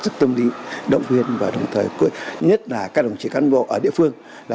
rất tâm lý động viên và đồng thời nhất là các đồng chí cán bộ ở địa phương